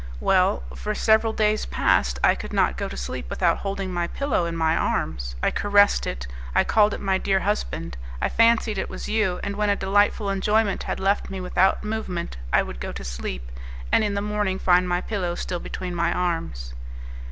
"Well, for several days past, I could not go to sleep without holding my pillow in my arms; I caressed it, I called it my dear husband; I fancied it was you, and when a delightful enjoyment had left me without movement, I would go to sleep, and in the morning find my pillow still between my arms."